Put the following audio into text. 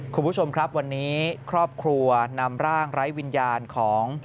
คุณผู้ชมครับวันนี้ครอบครัวนำร่างไร้วิญญาณของ